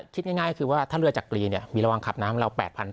คิดง่ายก็คือว่าถ้าเรือจักรีมีระวังขับน้ำเรา๘๐๐